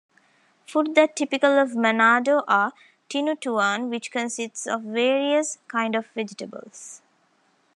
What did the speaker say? Food that typical of Manado are, "Tinutuan" which consists of various kinds of vegetables.